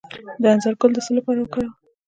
د انځر ګل د څه لپاره وکاروم؟